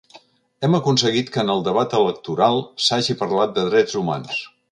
Hem aconseguit que en el debat electoral s’hagi parlat de drets humans.